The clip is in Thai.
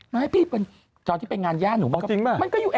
มาให้พี่ศาลที่ไปงานญาหนู